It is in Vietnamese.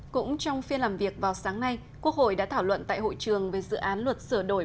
cũng trong phiên làm việc vào sáng nay quốc hội đã thảo luận tại hội trường về dự án luật sửa đổi